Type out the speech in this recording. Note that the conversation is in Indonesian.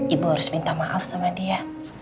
ibu harus minta maaf sama dia